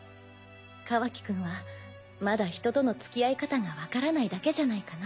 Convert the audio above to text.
カワキくんはまだ人とのつきあい方がわからないだけじゃないかな。